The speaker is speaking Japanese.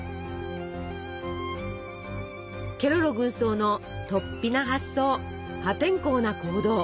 ケロロ軍曹のとっぴな発想破天荒な行動